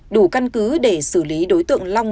đủ căn cứ để xử lý đối tượng long